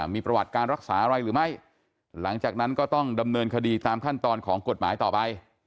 มีประวัติการรักษาอะไรหรือไม่หลังจากนั้นก็ต้องดำเนินคดีตามขั้นตอนของกฎหมายต่อไป